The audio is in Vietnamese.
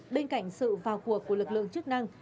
bên cạnh sự vào cuộc của lực lượng chức năng